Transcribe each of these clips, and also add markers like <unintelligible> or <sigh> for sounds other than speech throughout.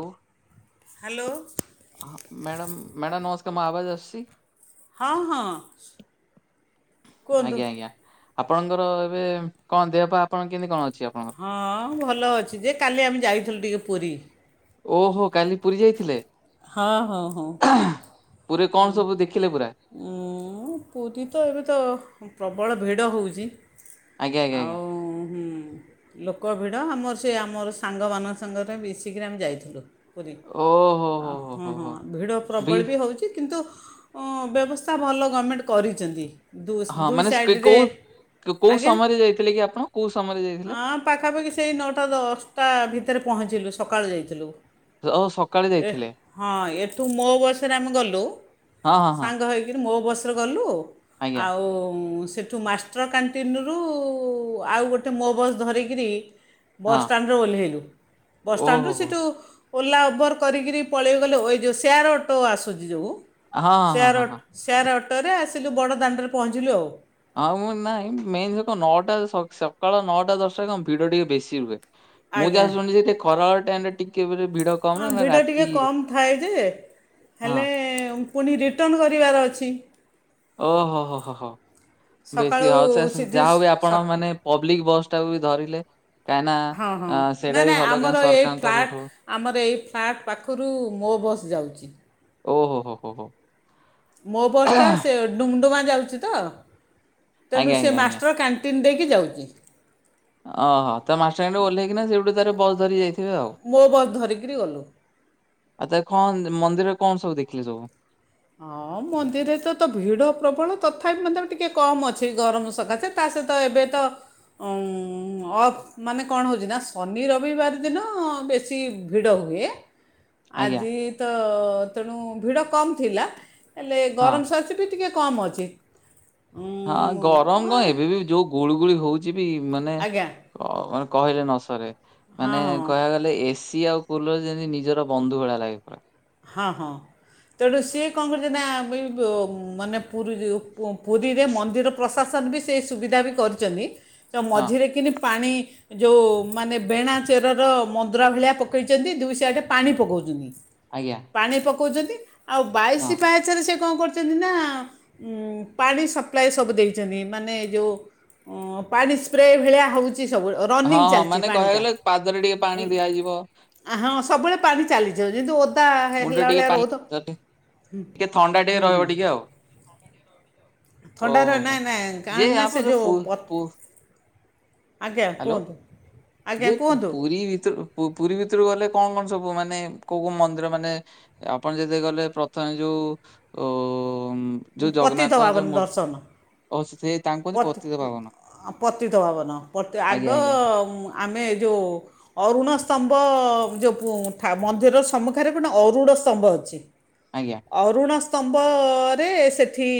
ଆଉ ହାଲୋ। ହଁ madam madam ନମସ୍କାର ମୋ ଆବାଜ ଅସୁଛି? ହଁ ହଁ। କୁହନ୍ତୁ। ଆଜ୍ଞା ଆଜ୍ଞା ଆପଣଙ୍କର ଏବେ କଣ ଦେହ ପା ଆପଣଙ୍କ କେମିତି କଣ ଅଛି ଆପଣଙ୍କର? ହଁ ଭଲ ଅଛି ଯେ କାଲି ଆମେ ଯାଇଥିଲୁ ଟିକେ ପୁରୀ। ଓହୋ କାଲି ପୁରୀ ଯାଇଥିଲେ,? ହଁ ହଁ ହଁ। <inaudible> ପୁରୀ କଣ ସବୁ ଦେଖିଲେ ପୁରା? ଉଁ ପୁରୀ ତ ଏବେ ତ ପ୍ରବଳ ଭିଡ଼ ହୋଉଛି। ଆଜ୍ଞା ଆଜ୍ଞା ଆଜ୍ଞା ଆଉ ହୁଁ। ଲୋକ ଭିଡ଼ ଆମର ସେ ଆମର ସାଙ୍ଗମାନଙ୍କ ସାଙ୍ଗରେ ମିଶିକିରି ଆମେ ଯାଇଥିଲୁ ପୁରୀ। ଓ। ଆ ହୁଁ ହୁଁ ଭିଡ଼ ପ୍ରବଳ ବି ହେଉଛି କିନ୍ତୁ- ଉଁ ବ୍ୟବସ୍ଥା ଭଲ ଗର୍ମେଣ୍ଟ କରିଚନ୍ତି। ଦୁଷ ହଁ ଦୁଇ ମାନେ ସ୍କେ- ସାଇଡ଼ରେ କୋଉ କୋଉ ଆଜ୍ଞା ସମୟରେ ଯାଇଥିଲେ କି ଆପଣ କୋଉ ସମୟରେ ଯାଇଥିଲେ? ଆ- ପାଖାପାଖି ସେଇ ନଅଟା ଦଶଟା ଭିତରେ ପହଞ୍ଚିଲୁ ସକାଳୁ ଯାଇଥିଲୁ। ଯୋଗ ସକାଳୁ ଯା ଏ ହଁ ଏଠୁ ମୋ ବସରେ ଆମେ ଗଲୁ ହଁ ହଁ ହଁ ସାଙ୍ଗ ହେଇକରି ମୋ ବସ୍‌ ଏଠୁ ଗଲୁ ଆଜ୍ଞା ଆଉ ସେଠୁ ମାସ- ମାଷ୍ଟର କ୍ୟାଣ୍ଟିନରୁ ଆଉ ଗୋଟେ ମୋ ବସ୍ ଧରିକିରି ହଁ ବସଷ୍ଟାଣ୍ଡରେ ଓଲେଇଲୁ ବସାଣ୍ଡରୁ ଓହୋ ହୋ। ସେଠୁ ଓଲା ଓବର- କରିକିରି ପଳେଇ ଗଲୁ ହୋଇ ଯେଉଁ ସେୟାର ଅଟୋ ଆସୁଚି ଯୋଉ ହଁ ହଁ ସେୟାର ହଁ ହଁ ହଁ ଅଟ- ସେଆର ଅଟୋରେ ଆସିଲୁ ବଡ଼ ଦାଣ୍ଡରେ ପହଞ୍ଚିଲୁ ଆଉ। ଆଉ ମୁଁ ନାଇଁ ମେନ୍ କ ନଅଟା ସ ସଖାଳ ନଅଟା ଦଶଟା କଣ ଭିଡ ଟିକେ ବେଶି ରୁହେ। ମୁଁ ଆଜ୍ଞା ଯାହା ଶୁଣିିଚି ସେ ଖରା ବେଳ ଟାଇମ୍ ରେ ଟିକେ ବୋଧେ ଭିଡ କମ ହଁ ନା ଭିଡ଼ ରାତି ଟିକେ କମ୍ ଥାଏ ଯେ ହଁ ହେଲେ ପୁଣି ରିଟର୍ଣ୍ଣ କରିବାର ଅଛି। ଓହୋ ହୋ ହୋ ହୋ ହ ବେଶୀ ସକାଳୁ ଆଉ ସେ ସିଧି ଯାହା ହଉ ଏ ସ- ଆପଣ ମାନେ ପବ୍ଲିକ ବସ୍ ଟାକୁ ବି ଧରିଲେ ହଁ ହଁ କାହିଁକିନା ନାଇଁ ସେଇଟା ବି ନାଇଁ ଭଲ ଆମର କାହିଁ ଏଇ ସରକାରଙ୍କ ଫ୍ଲାଟ୍ ତରଫ ରୁ ଆମର ଏଇ ଫ୍ଲାଟ୍ ପାଖରୁ ମୋ ବସ୍ ଯାଉଛି। ଓ ହୋ ହୋ ହୋ ହୋ। ମୋ ବସ୍‌ ଟା ସେ ଡୁଙ୍ଗଡୁମା ଯାଉଛି ତ। ତେଣୁ ଆଜ୍ଞା ସେ ଆଜ୍ଞା ଆଜ୍ଞା ମାଷ୍ଟର କ୍ୟାଣ୍ଟିନ୍ ଦେଇକି ଯାଉଛି। ଓହୋ ତ ମ ମାଷ୍ଟର କ୍ୟାଣ୍ଟିନ୍‌ ଓହ୍ଲେଇକିନା ସେଠୁ ତାର ବସ ଧରି ଯାଇ ଥିବେ ଆଉ। ମୋ ବସ୍‌ ଧରିକିରି ଗଲୁ। ଆଉ ତା କଣ ମନ୍ଦିର କଣ ସବୁ ଦେଖିଲେ ସବୁ। ହଁ ମନ୍ଦିରରେ ତ ତ ଭିଡ ପ୍ରବଳ ତଥାପି ମଧ୍ୟ ଟିକେ କମ ଅଛି ଗରମ ସକାଶେ। ତା ସହିତ ଏବେ ତ ଅଂ ଅ ମାନେ କଣ ହଉଛି ନା ଶନି ରବିବାର ଦିନ ବେଶୀ ଭିଡ଼ ହୁଏ। ଆଜ୍ଞା ଆଜି ତ ତେଣୁ ଭିଡ କମ୍ ଥିଲା ହେଲେ ହଁ। ଗରମ ସବ ସିଟି ଟିକେ କମ୍ ଅଛି ଉଁ ହଁ ଗରମ କଣ ଏବେ ବି ଯୋଉ ଗୁଳିୁ ଗୁଳି ହଉଛି ବି ମାନେ ଆଜ୍ଞା ମାନେ କହିଲେ ନ ସରେ ହଁ ମାନେ ହଁ କହିବା ଗଲେ ଏସି ଆଉ କୁଲର ଯେମିତି ନିଜର ବନ୍ଧୁ ଭଳିଆ ଲାଗି ପରା। ହଁ ହଁ। ତେଣୁ ସିଏ କଣ କରୁଛି ନା ବ ମାନେ ପୁରି ରୁ ପୁରୀରେ ମନ୍ଦିର ପ୍ରଶାସନ ବି ସେଇ ସୁବିଧା ବି କରିଚନ୍ତି ତ ହଁ ମଝିରେ କିି ପାଣି ଯୋଉ ମାନେ ବେଣା ଚେରର ମନ୍ଦ୍ରା ଭଳିଆ ପକାଇଚନ୍ତି ଦୁଇ ସିଆଡ଼େ ପାଣି ପକାଉଚନ୍ତି। ଆଜ୍ଞା। ପାଣି ପକଉଚନ୍ତି ଆଉ ହଁ ବାଇଶି ପାହାଚ ପଛରେ ସେ କଣ କରୁଚନ୍ତି ନା ପାଣି ସପ୍ଲାଏ ସବୁ ଦେଇଛନ୍ତି ମାନେ ଯଉ ଅଂ ପାଣି ସ୍ପ୍ରେ ଭଳିଆ ହଉ ଚି ସବୁବେଳ ହଁ ରନିଙ୍ଗ୍ ହଁ ଚାଲିଛି ମାନେ ପାଣି କହିବାକୁ ଟା। ଗଲେ ପାଦରେ ଟିକେ ପାଣି ଦିଆଯିବ ଆ ହଁ ସବୁବେଳେ ପାଣି ଚାଲିଛି ଯେହେନ୍ତୁ ଓଦା ମୁଣ୍ଡ ହେଲା ଟିକେ ଭଳିଆ ପାଣି ରହୁତ ଟିକେ ଥଣ୍ଡା ଟିକେ ହୁଁ-ହୁଁ। ରହିବ ଟିକେ ଆଉ ଥଣ୍ଡାର ଓହୋ ହୋ ନା-ନା କା ଯେ ନା ଆପଣ ସେ ଯୋଉ ଯେଉଁ ପୁ ପ ପୁ ଆଜ୍ଞା ହ୍ୟାଲୋ କୁହନ୍ତୁ ଆଜ୍ଞା ଯେ କୁହନ୍ତୁ ପୁରୀ ଭିତରୁ ପୁରୀ ଭିତରୁ ଗଲେ କଣ-କଣ ସବୁ ମାନେ କୋଉ-କୋଉ ମନ୍ଦିର ମାନେ ଆପଣ ଯଦି ଗଲେ ପ୍ରଥମେ ଯୋଉ ଉ ପତିତପାବନ ଦର୍ଶନ। ଓ ସେ ତାଙ୍କୁ କୁହନ୍ତି ପତିତ ପତ୍ ପାବନ ପତିତପାବନ ଆଜ୍ଞା ଆଗ ଆଜ୍ଞା ଆମେ ଏ ଯୋଉ ଅରୁଣ ସ୍ତମ୍ଭ ଯୋଉ <unintelligible> ମନ୍ଦିରର ସମ୍ମୁଖରେ ପେ ଅରୁଣ ସ୍ତମ୍ଭ ଅଛି। <unintelligible> ଆଜ୍ଞା। ଅରୁଣ ସ୍ତମ୍ଭ ରେ ସେଠି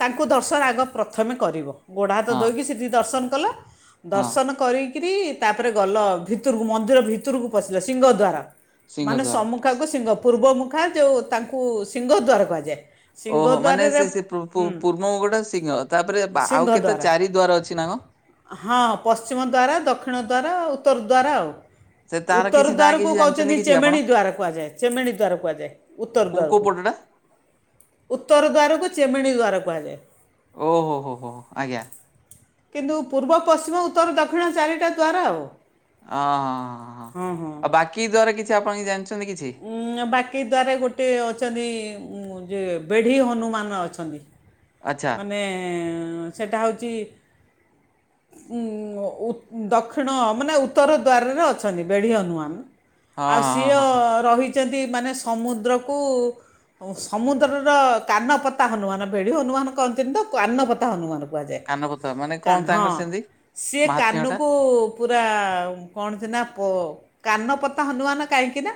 ତାଙ୍କୁ ଦର୍ଶନ ଆଗ ପ୍ରଥମେ କରିବ। ଗୋଡ଼ ହାତ ହଁ ଧୋଇକି ସେଠି ଦର୍ଶନ କଲା ହଁ। ଦର୍ଶନ କରିକି <inaudible> ତାପରେ ଗଲ ଭିତରକୁ ମନ୍ଦିର ଭିତରକୁ ପଶିଲ ସିଂହ ଦ୍ୱାରା ସିଂହ ମାନେ ଦ୍ୱାର ମୁଖାକୁ ସିଂହ ପୂର୍ବ ମୁଖା ଯୋଉଁ ତାଙ୍କୁ ସିଂହ ଦୂର କୁହାଯାଏ। ଓହୋ ମାନେ ସିଂହଦ୍ୱାରରେ ସେ-ସେ ହୁଁ ପୂର୍ବ ଗୋଟେ ସିଂହ ତାପରେ ଆଉ କେତେ ସିଂହଦ୍ୱାର ଚାରି ଦ୍ୱାର ଅଛି ନା କଣ? ହଁ ପଶ୍ଚିମଦ୍ୱାରା, ଦକ୍ଷିଣଦ୍ୱାରା ଆଉ ଉତ୍ତରଦ୍ୱାରା ଆଉ। ସେ ତାର ଉତ୍ତର କିଛି ନା ଦ୍ୱାରକୁ କିଛି ଜାଣିଛନ୍ତି କହୁଛନ୍ତି କିଛି ଆପଣ ଚେମେଣି ଦ୍ୱାର କୁହାଯାଏ ଚେମେଣି ଦ୍ୱାର କୁହାଯାଏ ଉତ୍ତର କୋଉ କୋଉ ଦ୍ୱାରକୁ। ପଟଟା ଉତ୍ତର ଦ୍ୱାରକୁ ଚେମେଣି ଦ୍ୱାର କୁହାଯାଏ। ଓ ହୋ-ହୋ-ହୋ, ଆଜ୍ଞା। କିନ୍ତୁ ପୂର୍ବ, ପଶ୍ଚିମ, ଉତ୍ତର, ଦକ୍ଷିଣ, ଚାରିଟା ଦ୍ୱାର ଆଉ। ଅ ହଁଁ-ହଁ-ହଁ ହଁ ହଁ ଆଉ ବାକି ଦ୍ୱାର କିଛି ଆପଣ କିଛି ଜାଣିଚନ୍ତି କିଛି? ଉଁ ବାକି ଦ୍ୱାରେ ଗୋଟେ ଅଛନ୍ତି ଯେ ବେଢ଼ି ହନୁମାନ ଅଛନ୍ତି। ଆଚ୍ଛା ମାନେ ସେଟା ହଉଚି <unintelligible> ଉଁ ଉ ଦକ୍ଷିଣ ମାନେ ଉତ୍ତର ଦ୍ୱାରରେ ଅଛନ୍ତି ବେଢ଼ିହନୁମାନ। ହଁ ଆଉ ହଁ ସିଏ ଅ ହଁ ହଁ। ରହିଛନ୍ତି ମାନେ ସମୁଦ୍ରକୁ ହୁଁ ସମୁଦ୍ରର କାନପତା ହନୁମାନ ବେଢ଼ି ହନୁମାନ କହନ୍ତିନ ତ କାନପତା ହନୁମାନ। କୁହାଯାଏ କାନପତା ମାନେ କଣ କାନ ହଁ ତାଙ୍କର ସେମିତି ସିଏ ମହାତ୍ମ୍ୟ ଟା କାନକୁ ପୁରା କଣ ଯେ ନା ପ କାନପତା ହନୁମାନ କାହିଁକି ନା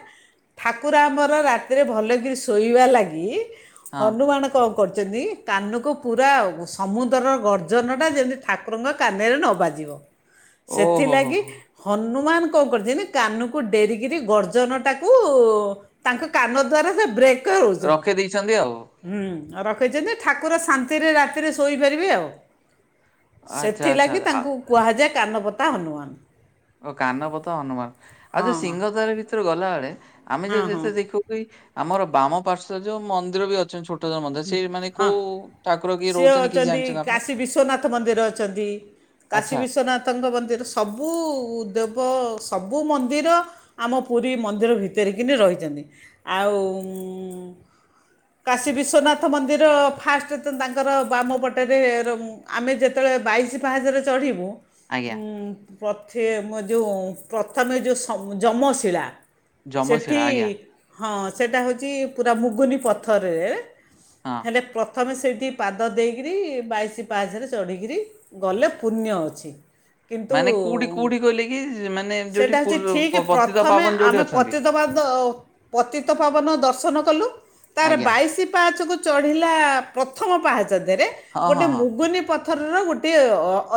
ଠାକୁର ଆମର ରାତିରେ ଭଲକରି ଶୋଇବା ଲାଗି ହଁ ହନୁମାନ କଣ କରୁଚନ୍ତି କାନକୁ ପୁରା ଆଉ ସମୁଦ୍ରର ଗର୍ଜନ ଟା ଯେମିତି ଠାକୁରଙ୍କ କାନରେ ନ ବାଜିବ। ଓହୋ ହୋ। ସେଥିଲାଗି ହୋ। ହନୁମାନ କଣ କରିଛନ୍ତି କାନକୁ ଡେରିକିରି ଗର୍ଜନଟାକୁ ଉ ତାଙ୍କ କାନ ଦ୍ଵାରା ସେ ବ୍ରେକ୍ କା ରହୁଛନ୍ତି, ରଖେଇ ଦେଇଛନ୍ତି ଆଉ ହୁଁ ରଖେଇଛନ୍ତି ଠାକୁର ଶା ନ୍ତିରେ ରାତିରେ ଶୋଇପାରିବେ ଆଉ, ଆଚ୍ଛା ଆଚ୍ଛା ସେଥିଲାଗି ଆ- ତାଙ୍କୁ କୁହାଯାଏ କାନପତା ହନୁମାନ। ଓ କାନପତ ହନୁମାନ, ଆଉ ଯୋଉ ହଁ ସିଂହଦ୍ୱାର ଭିତରେ ଗଲାବେଳେ ଆମେ ଯୋଉ ହଁ ହଁ ଯେତେ ଦେଖୁ ଆମର ବାମ ପାର୍ଶ୍ୱରେ ଯୋଉ ମନ୍ଦିର ବି ଅଛନ୍ତି ଛୋଟ ମନ୍ଦିର ହୁଁ, ସେଇ ମାନେ ହଁ କୋଉ ଠାକୁର କିଏ ସିଏ ରହୁଛନ୍ତି କିଛି ଅଛନ୍ତି ଜାଣିଛନ୍ତି ଆପଣ? କାଶୀ ବିଶ୍ୱନାଥ ମନ୍ଦିର ଅଛନ୍ତି। କାଶୀ ଆଚ୍ଛା ବିଶ୍ୱନାଥଙ୍କ ମନ୍ଦିର ସବୁ ଦେବ ସବୁ ମନ୍ଦିର ଆମ ପୁରୀ ମନ୍ଦିର ଭିତରିକିନି ରହିଛନ୍ତି, ଆଉ ଉଁ କାଶୀବିଶ୍ ଶ୍ୱନାଥ ମନ୍ଦିର ଫାଷ୍ଟ୍ ତ ତାଙ୍କର ବାମ ପଟେରେ ରହୁଁ ଆମେ ଯେ ଯେତଳେ ବାଇଶି ପାହାଚରେ ଚଢ଼ିବୁ। ଆଜ୍ଞା ଉଁ ପ୍ରଥେ ମ ଯୋଉ ପ୍ରଥମେ ଯୋଉ ଶମ୍ ଯମଶିଳା। ସେଠି ଯମଶିଳା ଆଜ୍ଞା ହଁ ସେଇଟା ହଉଛି ପୁରା ମୁଗୁନି ପଥରରେ। ହଁ ହେଲେ ପ୍ରଥମେ ସେଇଠି ପାଦ ଦେଇକିରି ବାଇଶି ପାହାଚରେ ଚଢିକିରି। ଗଲେ ପୁଣ୍ୟ ଅଛି। କିନ୍ତୁ ମାନେ କୋଉଠି କୋଉଠି କହିଲେ କି ମାନେ ଯୋଉଠି ସେଟା ହେଉଛି ପୂର୍ବ ଠିକ୍ ପ ପତିତ ପ୍ରଥମେ ପାବନ ଯୋଉଠି ଆମେ ଅଛନ୍ତି ପତିତପାଦ ପତିତପାବନ ଦର୍ଶନ କଲୁ, ତାରେ ଆଜ୍ଞା ବାଇଶି ପାହାଚକୁ ଚଢିଲା ପ୍ରଥମ ପାହାଚଦେରେ ହଁ ଗୋଟେ ହଁ ହଁ ମୁଗୁନି ପଥରର ଗୋଟିଏ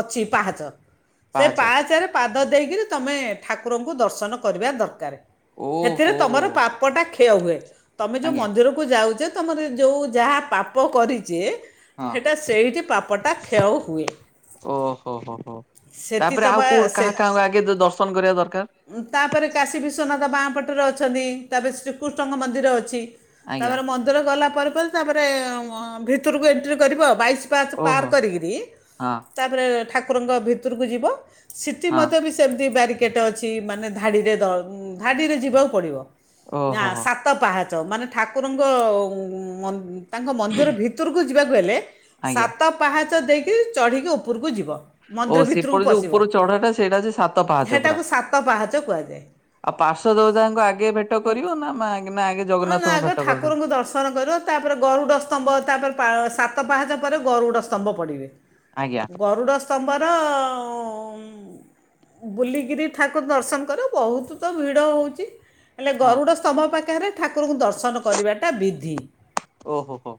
ଅଛି ପାହାଚ, ସେ ପାହାଚ ପାହାଚରେ ପାଦ ଦେଇକିରି ତମେ ଠାକୁରଙ୍କୁ ଦର୍ଶନ କରିବା ଦରକାର ହେଥିରେ ଓହୋ ତମର ପା ପଟା କ୍ଷୟ ହୁଏ, ତମେ ଯୋଉ ଆଜ୍ଞା ମନ୍ଦିରକୁ ଯାଉଚେ ତମରି ଯୋଉ ଯାହା ପାପ କରିଚେ ହଁ ହେଟା ସେଇଟି ପାପଟା କ୍ଷୟ ହୁଏ। ଓହୋ, ହୋ, ହୋ, ସେଥି ତାପରେ ଆଉ ତମେ କୋଉ କାହା କାହାକୁ ଆଗେ ଦର୍ଶନ କରିବା ଦରକାର? ଉଁ ତାପରେ କାଶୀ ବିଶ୍ୱନାଥ ବାଁ ପଟରେ ଅଛନ୍ତି ତାପରେ ଶ୍ରୀକୃଷ୍ଣଙ୍କ ମନ୍ଦିର ଅଛି। ଆଜ୍ଞା ତାପରେ ମନ୍ଦିର ଗଲା ପରେ ପରେ ତାପରେ ଭିତରକୁ ଏଣ୍ଟ୍ରି କରିବୁ ଆଉ, ବାଇଶ ପାହାଚ ପାହାର ଓହୋ କରିକିରି ହଁ ତାପରେ ଠାକୁରଙ୍କ ଭିତରକୁ ଯିବ, ସିଟି ହଁ ମଧ୍ୟ ବେ ସେମତି ବ୍ୟାରିକେଟ୍ ଅଛି ମାନେ ଧାଡିରେ ଦ ଧାଡିରେ ଯିବାକୁ ପଡିବ, ନା ଓହୋ ହୋ ସା ତ ପାହାଚ ମାନେ ଠାକୁରଙ୍କ ମ ତାଙ୍କ ମନ୍ଦିର ଭିତରକୁ ଯିବାକୁ ହେଲେ ଆଜ୍ଞା ସାତ ପାହାଚ ଦେଇକି ଚଢ଼ିକି ଉପରକୁ ଯିବ। ଓ ମନ୍ଦିର ଭିତରକୁ ସେପଟେ ଯୋଉ ପଶିବ ଉପର ଚଢାଟା ସେଇଟା ଅଛି ସାତ ପାହାଚ ପୁରା। ସେଟାକୁ ସାତ ପାହାଚ କୁହାଯାଏ ଆଉ ପାର୍ଶ୍ୱ ଦେବତାଙ୍କୁ ଆଗେ ଭେଟ କରିବ ନା ମାଆଁ ଙ୍କି ନା ଆଗେ ଜଗନ୍ନାଥଙ୍କୁ ଭେଟ କରିଦେଲେ। ଆପଣଙ୍କର ଗରୁଡ ସ୍ତମ୍ଭ ତାପରେ ସାତ ପାହାଜ ପରେ ଗରୁଡ ସ୍ତମ୍ଭ ପଡିବେ। ଆଜ୍ଞା ଗରୁଡ଼ ସ୍ତମ୍ଭର ବୁଲିକିରି ଠାକୁର ଦର୍ଶନ କରେ ବହୁତ ତ ଭିଡ଼ ହଉଛି। ହେଲେ ହଁ। ଗରୁଡ ସ୍ତମ୍ଭ ପାଖରେ ଠାକୁରଙ୍କୁ ଦର୍ଶନ କରିବାଟା ବି ଓହୋ ହୋ।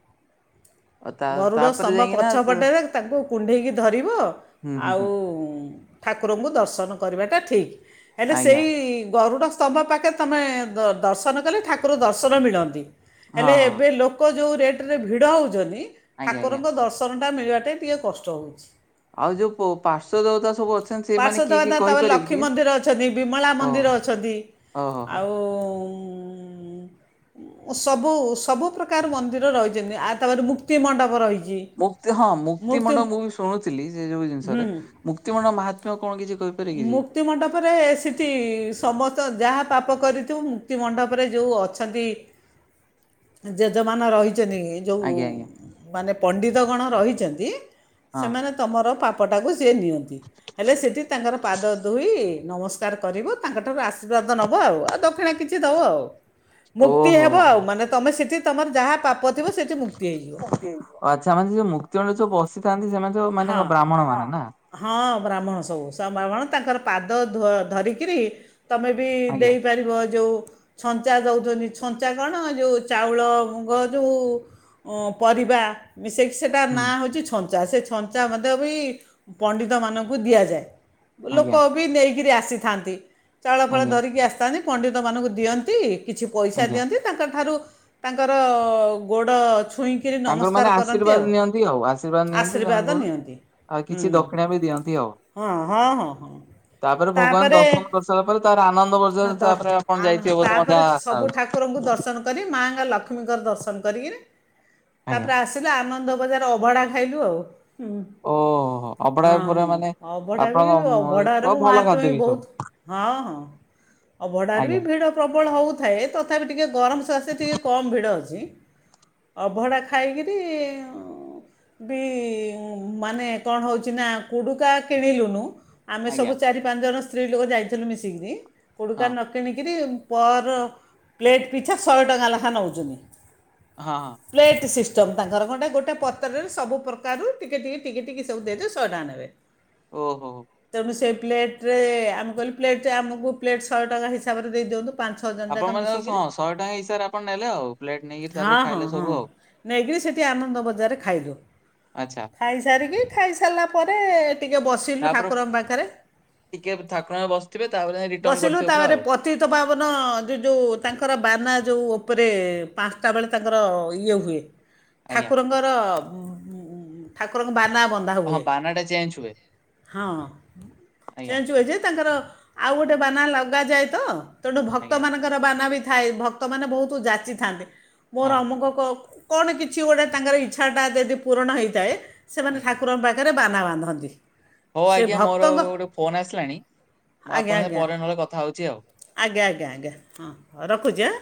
ଆଉ ତା ଗରୁଡ଼ ତାପରେ ସ୍ତମ୍ଭ ଯାଇକିନା ପଛ ତ- ପଟେରେ ତାଙ୍କୁ କୁଣ୍ଢେଇକି ଧରିବ ହୁଁ ହୁଁ ଆଉ ହୁଁ ଠାକୁରଙ୍କୁ ଦର୍ଶନ କରିବାଟା ଠିକ୍ ହେଲେ ଆଜ୍ଞା ସେଇ ଗରୁଡ଼ ଗରୁଡ ସ୍ତମ୍ଭ ପାଖେ ତମେ ଦର୍ଶନ କଲେ ଠାକୁର ଦର୍ଶନ ମିଳନ୍ତି। ହଁ ହେଲେ ହଁ। ଏବେ ଲୋକ ଯୋଉ ରେଟ ରେ ଭିଡ଼ ହଉଛନ୍ତି ଆଜ୍ଞା ଆଜ୍ଞା ଠାକୁରଙ୍କ ଦର୍ଶ ଶନ ଟା ମିଳିବାଟେ ଟିକେ କଷ୍ଟ ହଉଛି। ଆଉ ଯୋଉ ପ- ପାର୍ଶ୍ୱ ଦେବତା ସବୁ ଅଛନ୍ତି ସେମାନେ ପାର୍ଶ୍ୱ ବା କିଏ କିଏ ନା ତମରେ କହିପାରିବି ଲକ୍ଷ୍ମୀ ଟିକେ? ମନ୍ଦିର ଅଛନ୍ତି ବିମଳା ଓ ମନ୍ଦିର ଅଛ ଓହୋ ହୋ ଆଉ ସବ ସବୁ ସବୁ ପ୍ରକାର ମନ୍ଦିର ରହିଛନ୍ତି ଆ ତାପରେ ମୁକ୍ତି ମଣ୍ଡପ ରହିଛି। ମୁକ୍ତି ହଁ ମୁକ୍ତିମଣ୍ଡ ମୁକ୍ତି ମୁଁ ବି ଶୁଣୁଥିଲି ସେ ଯୋଉ ହୁଁ ଜିନିଷରେ ମୁକ୍ତିମଣ୍ଡ ମହାତ୍ମ୍ୟ କଣ କିଛି କ ମୁଁ ମୁକ୍ତିମଣ୍ଡପରେ ସେଠି ସମସ୍ତ ଯାହା ପାପ କରିଥୁ ମୁକ୍ତିମଣ୍ଡପରେ ଯେଉଁ ଅଛନ୍ତି। ଯଜମାନ ରହିଛନ୍ତି। ଯେଉଁ ଆଜ୍ଞା ଆଜ୍ଞା ମାନେ ପଣ୍ଡିତଗଣ ରହିଛନ୍ତି ହଁ ସେମାନେ ତମର ପାପଟାକୁ ସିଏ ନିଅନ୍ତି ହେଲେ ସେଠି ତାଙ୍କର ପାଦ ଧୋଇ ନମସ୍କାର ଚାର କରିବୁ ତାଙ୍କଠାରୁ ଆସ ନବ ଆଉ ଆଉ ଦକ୍ଷିଣା କିଛି ଦବ ଆଉ ମୁକ୍ତି ଓହୋ ହେବ ହୋ ଆଉ ହୋ। ମାନେ ତମେ ସେଠି ତମର ଯାହା ପାପ ଥିବ, ସେଠି ମୁକ୍ତି ହେଇଯିବ। <inaudible> ଆଚ୍ଛା ମାନେ ସେ ଯୋଉ ମୁକ୍ତିମଣ୍ଡପରେ ଯୋଉ ବସିଥାନ୍ତି, ସେମାନେ ସବୁ ମାନେ କଣ ହଁ ବ୍ରାହ୍ମଣ ମାନେ ନା? ହଁ ବ୍ରାହ୍ମଣ ସବୁ ସବ୍ ବ୍ରାହ୍ମଣ ତାଙ୍କର ପାଦ ଧ ଧରିକିରି ତମେ ବି ଆଜ୍ଞା। ଦେଇପାରିବ ଯେଉ ଛଞ୍ଚା ଦଉଛନ୍ତି, ଛଞ୍ଚା କଣ ଯେଉଁ ଚାଉଳ, ମୁଗ ଯଉ ଉଁ ପରିବା। ମିସେଇକି ସେଇଟା ହୁଁ ନା ହଉଛି ଛଞ୍ଚା ସେ ଛଞ୍ଚା ମଧ୍ୟ ବି ପଣ୍ଡିତମାନଙ୍କୁ ଦିଆଯାଏ। ଲୋକ ଆଜ୍ଞା ବି ନେଇକିରି ଆସିଥାନ୍ତି। ଚାଉଳ ଫାଉଳ ଆଜ୍ଞା ଧରିକି ଆସିଥାନ୍ତି, ପଣ୍ଡିତମାନଙ୍କୁ ଦିଅନ୍ତି କିଛି ପଇସା ଆଜ୍ଞା ଦିଅନ୍ତି। ତାଙ୍କଠାରୁ ତାଙ୍କର ଗୋଡ଼ ଛୁଇଁକିରି ନମସ୍କାର କରନ୍ତି ଆଉ। <unintelligible> ଆଶର୍ବାଦ ନିଅନ୍ତି। ଆଶୀର୍ବାଦ <unintelligible> ନିଅନ୍ତି ଆଉ କିଛି ହୁଁ ଦକ୍ଷିଣା ବି ଦିଅନ୍ତି ଆଉ। ହଁ ହଁ ହଁ ହଁ ତାପରେ ଭଗବାନ ଦର୍ଶନ କରିସାରିଲା ପରେ ତାପରେ ଆନନ୍ଦ ବଜାର, ଦ ତାପରେ ଆପଣ ଆ ଯାଇଥିବେ ବୋଧେ ମତେ ତାପରେ ଯାହା ଆଶା ସବୁ ହଉଛି। ଠାକୁରଙ୍କୁ ଦର୍ଶନ କରି। ମାଙ୍କ ଲକ୍ଷ୍ମୀଙ୍କର ଦର୍ଶନ କରିକିରି ଆଜ୍ଞା ତାପରେ ଆସ <unintelligible> ଆନନ୍ଦ ବଜାରରେ ଅଭଡ଼ା ଖାଇଲୁ ଆଉ। ହୁଁ। ଓହୋ ଅବଢା ହଁ ପୁରା ହଁ ମାନେ ଅଭଡ଼ା ବି ଅଭଡ଼ାର ଆପଣଙ୍କ ବି ଭଲ ମାହାତ୍ମ୍ୟ ଖାଦ୍ୟ ବି ବହୁତ। ସବୁ ହଁ ହଁ ଅଭଡ଼ାରେ ବି ଆଜ୍ଞା ଭିଡ଼ ପ୍ରବଳ ହଉଥାଏ, ତଥାପି ଟିକେ ଗରମ ସକାସେ ଟିକେ କମ୍ ଭିଡ଼ ଅଛି। ଅଭଡ଼ା ଖାଇକିରି ବି ମାନେ କଣ ହଉଛି ନା କୁଡୁକା କିଣିଲୁନୁ। ଆମେ ଆଜ୍ଞା ସବୁ ଚାରି ପାଞ୍ଚଜଣ ସ୍ତ୍ରୀ ଲୋକ ଯାଇଥିଲୁ ମିଶିକିରି କୋଡୁକା ହଁ ନ କିଣିକିରି। ପର ପ୍ଲେଟ୍ ପିଛା ଶହେ ଟଙ୍କା ଲେଖାଁ ନଉଛନ୍ତି। ହଁ ହଁ। ପ୍ଲେଟ୍ ସିଷ୍ଟମ୍ ତାଙ୍କର ଗଣ୍ଡେ ଗୋଟେ ପତ୍ରରେ ସବୁପ୍ରକାରୁ ଟିକେ ଟିକେ ଟିକି ଟିକି ସବୁ ଦେଇଦେବେ ଶହେ ଟଙ୍କା ନେବେ। ଓହୋ ହୋ। ତେଣୁ ସେ ପ୍ଲେଟ୍ରରେ ଆମେ କହିଲୁ ପ୍ଲେଟେ ଆମକୁ ପ୍ଲେଟ୍ ଶହେ ଟଙ୍କା ହିସାବରେ ଦେଇଦିଅନ୍ତୁ। ପାଞ୍ଚ ଛଅ ଜଣ ଯାକ ଆପଣ ମାନେ ମିଶିକିରି ହଁ ଶହେ ଟଙ୍କା ହିସାବରେ ଆପଣ ନେଲେ ଆଉ, ପ୍ଲେଟ୍ ନେଇକି ତାପରେ ହଁ ହଁ ଖାଇଲେ ହଁ ସବୁ ଆଉ। ନେଇକିରି ସେଇଠି ଆନନ୍ଦ ବଜାରରେ ଖାଇଲୁ। ଆଚ୍ଛା। ଖାଇସାରିକି ଖାଇସାରିଲା ପରେ ଟିକେ ବିସିଲୁ ତାପରେ ଠାକୁରଙ୍କ ପାଖରେ। ଟିକେ ଠାକୁରଙ୍କ ବସିଥିବେ ତାପରେ ରିଟର୍ଣ ବସିଲୁ କରିଥିବେ ପୁରା ତାପରେ ଆଉ ପ ପତୀତପାବନ ଯେ ଯୋଉ ତାଙ୍କର ବାନା ଯୋଉ ଓପରେ ପାଞ୍ଚଟା ବେଳେ ତାଙ୍କର ଇଏ ହୁଏ। ଆଜ୍ଞା ଠାକୁରଙ୍କର ଠାକୁରଙ୍କ ବାନା ବନ ବନ୍ଧା ହଁ ହୁଏ। ବାନା ଟା ଚେଞ୍ଜ ହୁଏ ହଁ, ଆଜ୍ଞା ଚେଞ୍ଜ ହୁଏ ଯେ ତାଙ୍କର ଆଉ ଗୋଟେ ବାନା ଲଗାଯାଏ ତ, ତେଣୁ ଆଜ୍ଞା ଭକ୍ତମାନଙ୍କ ବାନା ବି ଥାଏ, ଭକ୍ତମାନେ ବହୁତ ଯାଚିଥାନ୍ତି। ମୋର ହଁ ଅମକ କଣ କିଛି ଗୋଟେ ତାଙ୍କର ଇଚ୍ଛା ଟା ଯଦି ପୂରଣ ହେଇଥାଏ ସେମାନେ ଆଜ୍ଞା ଠାକୁରଙ୍କ ପାଖରେ ଖରେ ବାନା ବାନ୍ଧନ୍ତି। ହଉ ସେ ଆଜ୍ଞା ମୋର ଭକ୍ତଙ୍କ ଗୋଟେ ଫୋନ୍ ଆସିଲାଣି। ମୁଁ ଆପଣଙ୍କ ସେ ପରେ ନହେଲେ କଥା ହେଉଛି ଆଉ। ଆଜ୍ଞା-ଆଜ୍ଞା-ଆଜ୍ଞା ହଁ ରଖୁଛି ଆଁ।